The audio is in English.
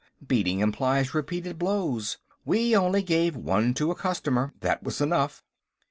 Beating implies repeated blows. We only gave one to a customer; that was enough."